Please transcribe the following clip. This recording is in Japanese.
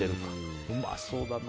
うまそうだな。